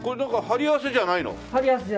貼り合わせじゃないです。